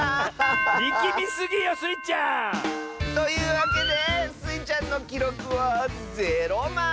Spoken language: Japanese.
いきみすぎよスイちゃん！というわけでスイちゃんのきろくは０まい！